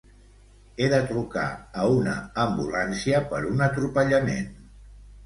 He de trucar a una ambulància per un atropellament.